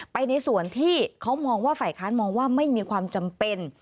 ในส่วนที่เขามองว่าฝ่ายค้านมองว่าไม่มีความจำเป็น